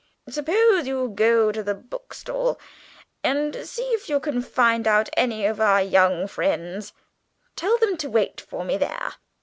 Suppose you go to the bookstall and see if you can find out any of our young friends. Tell them to wait for me there."